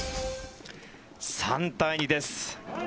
３対２です。